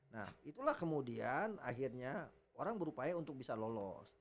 nah itulah kemudian akhirnya orang berupaya untuk bisa lolos